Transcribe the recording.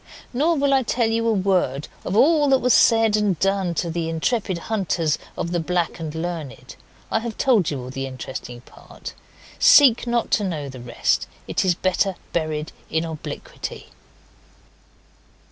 Nor will I tell you a word of all that was said and done to the intrepid hunters of the Black and Learned. I have told you all the interesting part. Seek not to know the rest. It is better buried in obliquity.